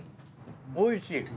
おいしい。